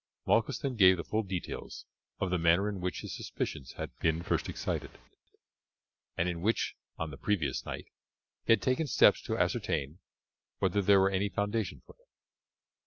Malchus then gave the full details of the manner in which his suspicions had been first excited, and in which on the previous night he had taken steps to ascertain whether there were any foundation for them.